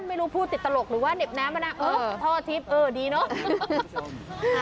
หรือว่าเหน็บน้ำมั้ยนะเออท่อทิศเออดีเนอะ